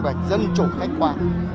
và dân chủ khách qua